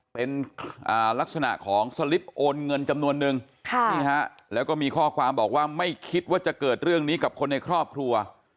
เป็นลักษณะของสลิปโอนเงินจำนวนนึงแล้วก็มีข้อความบอกว่าไม่คิดว่าจะเกิดเรื่องนี้กับคนในครอบครัว